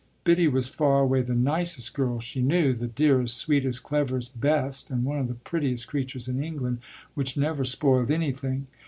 Biddy was far away the nicest girl she knew the dearest, sweetest, cleverest, best, and one of the prettiest creatures in England, which never spoiled anything.